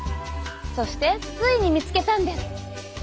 そしてついに見つけたんです。